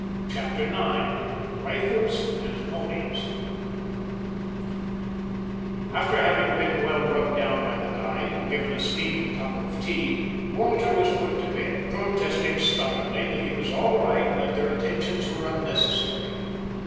CHAPTER IX RIFLES AND PONIES After having been well rubbed down by the guide, and given a steaming cup of tea, Walter was put to bed, protesting stubbornly that he was all right and that their attentions were unnecessary.